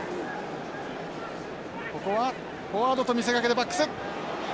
ここはフォワードと見せかけてバックス。